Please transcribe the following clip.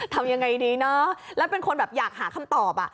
ทำยังไงดีนะแล้วเป็นคนอยากหาคำตอบ